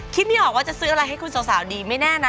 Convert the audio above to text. ไม่ออกว่าจะซื้ออะไรให้คุณสาวดีไม่แน่นะ